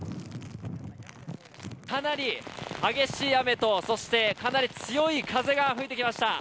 かなり激しい雨とそしてかなり強い風が吹いてきました。